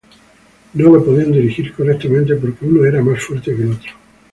No lo podían dirigir correctamente porque uno era más fuerte que el otro.